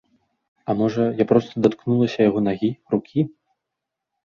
А можа, я проста даткнулася яго нагі, рукі?